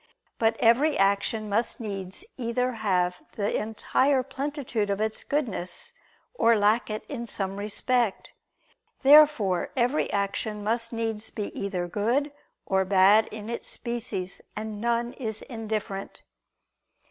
But every action must needs either have the entire plenitude of its goodness, or lack it in some respect. Therefore every action must needs be either good or bad in its species, and none is indifferent.